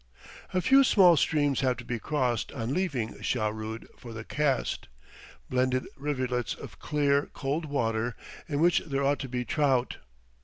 A few small streams have to be crossed on leaving Shahrood for the cast; splendid rivulets of clear, cold water in which there ought to be trout.